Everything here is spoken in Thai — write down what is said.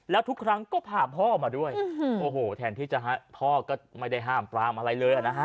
แล้วทุกครั้งก็พาพ่อมาด้วยโอ้โหแทนที่จะพ่อก็ไม่ได้ห้ามปรามอะไรเลยนะฮะ